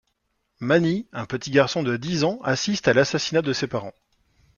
Manit, un petit garçon de dix ans assiste à l’assassinat de ses parents.